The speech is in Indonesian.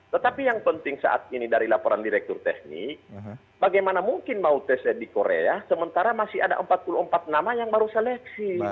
tetapi yang penting saat ini dari laporan direktur teknik bagaimana mungkin mau tes di korea sementara masih ada empat puluh empat nama yang baru seleksi